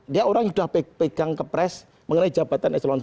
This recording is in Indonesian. dia orang yang sudah pegang ke pres mengenai jabatan eselon i